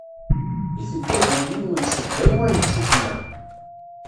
Ifeggagen yiwen s ddaw wayeḍ sufella.